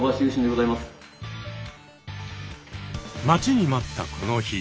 待ちに待ったこの日。